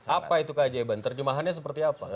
apa itu keajaiban terjemahannya seperti apa